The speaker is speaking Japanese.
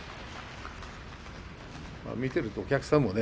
見ているとお客さんもね